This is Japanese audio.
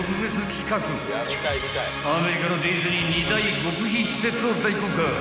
［アメリカのディズニー２大極秘施設を大公開］